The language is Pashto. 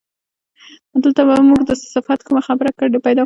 دلته به موږ د صفت کومه خبره پیدا کړو.